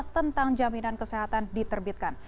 tentang jaminan kesehatan diterbitkan